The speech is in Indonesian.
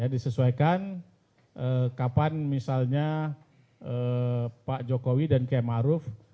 disesuaikan kapan misalnya pak jokowi dan km arief